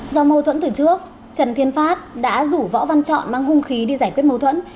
do mâu thuẫn từ trước trần thiên phát đã rủ võ văn chọn mang hung khí đi giải quyết mâu thuẫn